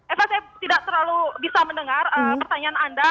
eva saya tidak terlalu bisa mendengar pertanyaan anda